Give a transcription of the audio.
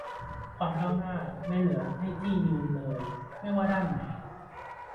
ความก้าวหน้าไม่เหลือที่ให้ยืนเลย ไม่ว่าในด้านไหน